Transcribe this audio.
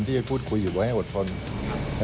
ที่จะพูดคุยอยู่ไว้ให้อดทน